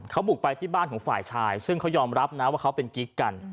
เขาบุกไปที่บ้านของฝ่ายชายซึ่งเขายอมรับนะว่าเขาเป็นกิ๊กกัน